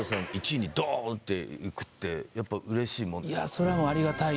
１位にドーンっていくってやっぱ嬉しいもんですか？